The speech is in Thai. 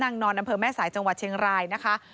นางนอนอำเภอแม่สายจังหวัดเชียงรายนะคะ